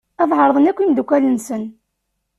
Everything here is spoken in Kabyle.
Ad d-ɛerḍen akk imeddukal-nsen.